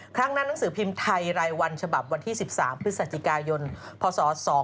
คล้างน่านังสือพิมพ์ไทรรายวัลฉบับวันที่๑๓พฤศจิกายนพศ๒๔๙๘